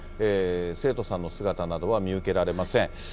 生徒さんの姿などは見受けられません。